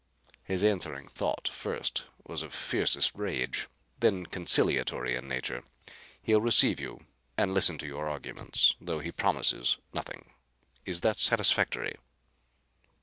His answering thought first was of fiercest rage, then conciliatory in nature. He'll receive you and listen to your arguments, though he promises nothing. Is that satisfactory?"